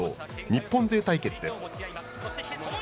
日本勢対決です。